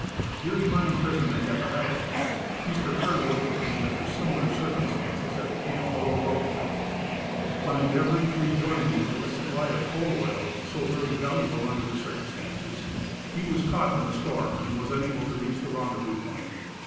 During my imprisonment at the highest camp, Mr. Kerr was detained under similar circumstances at the camp below Rope cliff. On endeavoring to rejoin me with the supply of coal oil, so very valuable under the circumstances, he was caught in the storm and was unable to reach the rendezvous appointed.